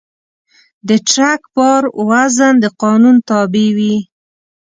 د ټرک بار وزن د قانون تابع وي.